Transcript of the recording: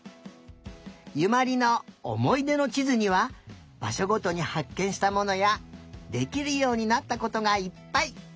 ゆまりのおもいでのちずにはばしょごとにはっけんしたものやできるようになったことがいっぱい。